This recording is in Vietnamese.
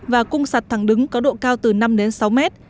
và cung sạt thẳng đứng có độ cao từ năm sáu m